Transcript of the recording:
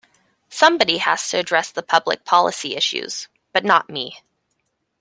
Somebody has to address the public policy issues - but not me.